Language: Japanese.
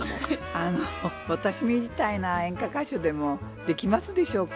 あの私みたいな演歌歌手でもできますでしょうか？